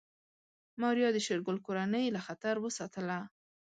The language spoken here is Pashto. ماريا د شېرګل کورنۍ له خطر وساتله.